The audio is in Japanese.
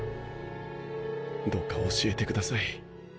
どうか教えてください。